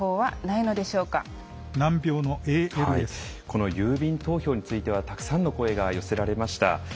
この郵便投票についてはたくさんの声が寄せられました。